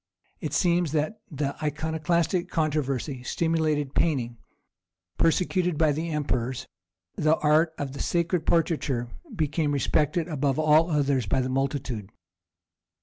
It seems that the Iconoclastic controversy stimulated painting; persecuted by the emperors, the art of sacred portraiture became respected above all others by the multitude.